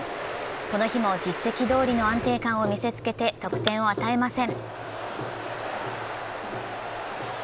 この日も実績どおりの安定感を見せつけて得点を与えません。